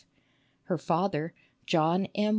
Her father, John M.